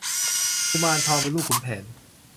กุมารทองเป็นลูกขุนแผน